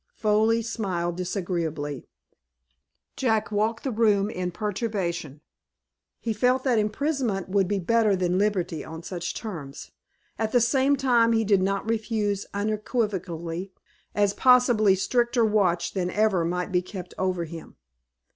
Foley smiled disagreeably. Jack walked the room in perturbation. He felt that imprisonment would be better than liberty, on such terms. At the same time he did not refuse unequivocally, as possibly stricter watch than ever might be kept over him.